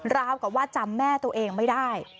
ราวกับว่าจำแม่ตัวเองไม่ได้